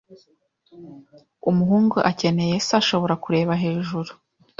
Umuhungu akeneye se ashobora kureba hejuru.